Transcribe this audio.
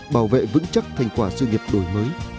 bảo vệ vững chắc thành quả sự nghiệp đổi mới